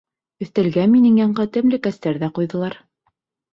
Өҫтәлгә минең янға тәмлекәстәр ҙә ҡуйҙылар.